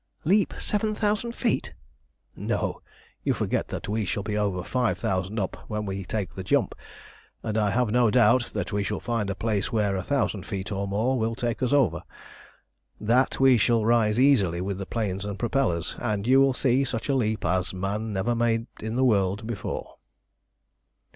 Leap seven thousand feet?" "No; you forget that we shall be over five thousand up when we take the jump, and I have no doubt that we shall find a place where a thousand feet or so more will take us over. That we shall rise easily with the planes and propellers, and you will see such a leap as man never made in the world before."